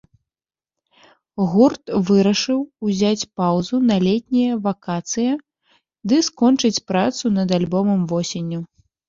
Гурт вырашыў узяць паўзу на летнія вакацыі ды скончыць працу над альбомам восенню.